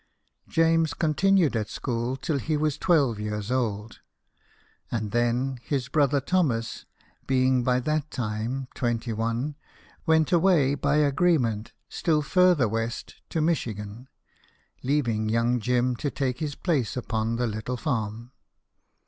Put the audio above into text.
James continued at school till he was twelve years old, and then, his brother Thomas (being by that time twenty one) went away by agree ment still further west to Michigan, leaving young Jim to take his place upon the little farm.